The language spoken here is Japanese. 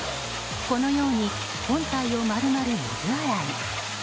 このように本体を丸々水洗い。